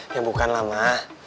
ya bukan lah ma